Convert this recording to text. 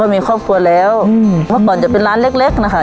มีครอบครัวแล้วเมื่อก่อนจะเป็นร้านเล็กเล็กนะคะ